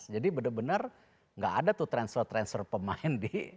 jadi benar benar gak ada tuh transfer transfer pemain